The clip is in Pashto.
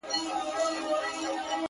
که مړ دی که مردار دی که سهید دی که وفات دی